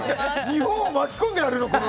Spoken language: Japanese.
日本を巻き込んでやるの？